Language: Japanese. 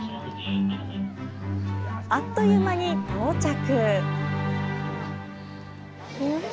あっという間に到着！